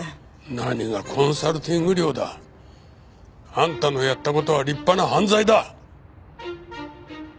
何がコンサルティング料だ。あんたのやった事は立派な犯罪だ。